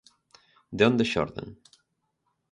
De onde xorden?